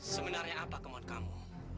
sebenarnya apa kemauan kamu